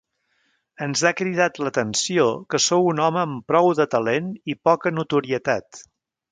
Ens ha cridat l'atenció que sou un home amb prou de talent i poca notorietat.